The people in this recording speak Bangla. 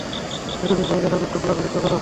এতদিন পর দেখা, বিট্টু, কোলাকুলি তো কর।